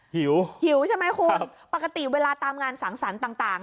หิวหิวใช่ไหมคุณปกติเวลาตามงานสังสรรค์ต่าง